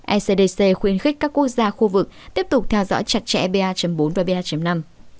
ecdc khuyến khích các quốc gia khu vực tiếp tục theo dõi chặt chẽ ba bốn và ba năm